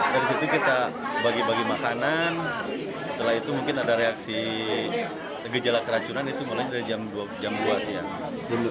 dari situ kita bagi bagi makanan setelah itu mungkin ada reaksi gejala keracunan itu mulai dari jam dua siang